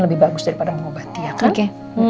lebih bagus daripada mengobati ya oke